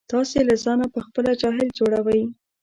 تاسې له ځانه په خپله جاهل جوړوئ.